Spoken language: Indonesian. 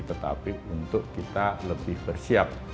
tetapi untuk kita lebih bersiap